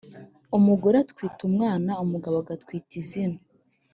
Umugore atwita umwana umugabo agatwita izina